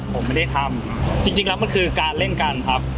ผมไม่ได้ทำจริงแล้วมันคือการเล่นกันครับ